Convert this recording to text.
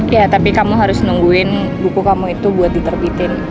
ya tapi kamu harus nungguin buku kamu itu buat diterbitin